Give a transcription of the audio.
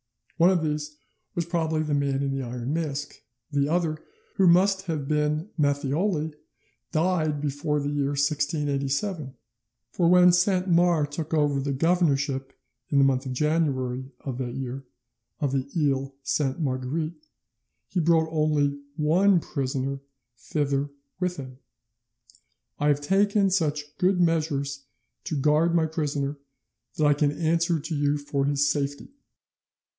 One of these was probably the Man in the Iron Mask; the other, who must have been Matthioli, died before the year 1687, for when Saint Mars took over the governorship in the month of January of that year of the Iles Sainte Marguerite he brought only ONE prisoner thither with him. "I have taken such good measures to guard my prisoner that I can answer to you for his safety" ('Lettres de Saint Mars a Louvois', 20th January 1687).